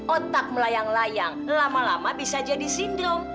otak melayang layang lama lama bisa jadi sindrom